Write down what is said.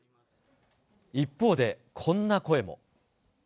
一方で、こんな声も。